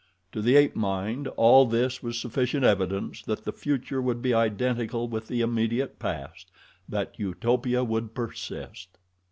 To the ape mind all this was sufficient evidence that the future would be identical with the immediate past that Utopia would persist.